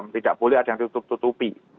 tidak boleh ada yang ditutup tutupi